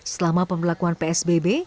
selama pembelakuan psbb